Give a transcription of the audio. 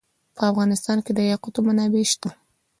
په افغانستان کې د یاقوت منابع شته.